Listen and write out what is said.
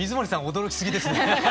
驚きすぎですね。